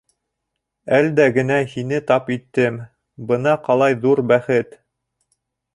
— Әл дә генә һине тап иттем, бына ҡалай ҙур бәхет!